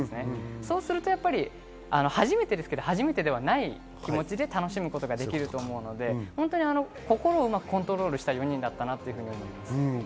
そうすると初めてですが、初めてではない気持ちで楽しむことができると思うので、心をうまくコントロールした４人だったと思います。